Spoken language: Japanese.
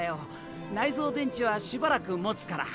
内蔵電池はしばらくもつから。